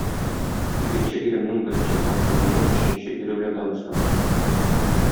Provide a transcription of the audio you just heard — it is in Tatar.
Икенче иремнең беренче хатынының өченче ире белән таныштым.